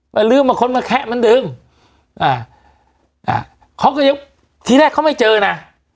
ลืมมาค้นมาแคะมันดึงอ่าอ่าเขาก็ยังทีแรกเขาไม่เจอน่ะ